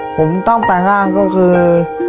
ผมต้องแปลงร่างก็คือ